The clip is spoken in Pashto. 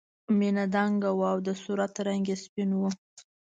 مینه دنګه وه او د صورت رنګ یې سپین و